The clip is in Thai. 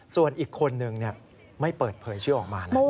ส่วนอีกคนหนึ่งไม่เปิดเผยออกมาแล้ว